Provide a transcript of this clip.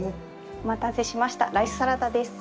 お待たせしましたライスサラダです。